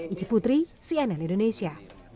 iki putri cnn indonesia